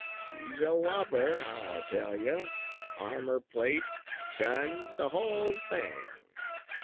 She's a whopper, I'll tell you, armor plate, guns, the whole thing!